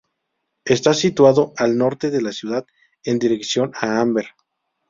Está situado al norte de la ciudad en dirección a Amber.